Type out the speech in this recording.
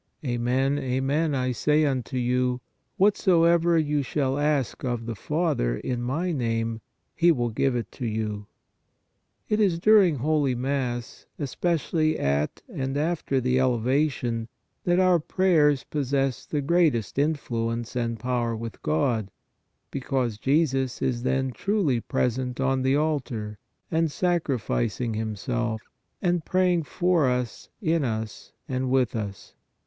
" Amen, amen I say unto you, whatsoever you shall ask of the Father in My name, He will give it to you." It is during holy Mass, especially at and after the Eleva PRAYER MADE MORE EFFECTIVE 59 tion, that our prayers possess the greatest influence and power with God, because Jesus is then truly present on the altar and sacrificing Himself and praying for us, in us and with us.